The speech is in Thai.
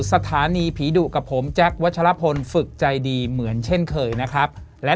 สถานีผีดุกับผมแจ๊ควัชลพลฝึกใจดีเหมือนเช่นเคยนะครับและ